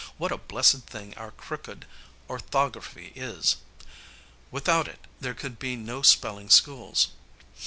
What a blessed thing our crooked orthography is! Without it there could be no spelling schools.